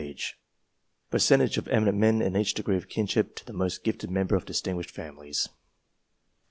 PERCENTAGE OF EMINENT MEN IN EACH DEGREE OF KINSHIP TO THE MOST GIFTED MEMBER OF DISTINGUISHED FAMILIES.